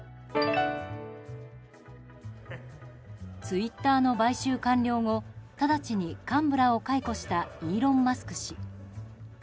ツイッターの買収完了後直ちに幹部らを解雇したイーロン・マスク氏。